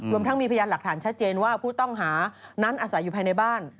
รวมทั้งมีพยานหลักฐานชัดเจนว่าผู้ต้องหานั้นอาศัยอยู่ภายในบ้าน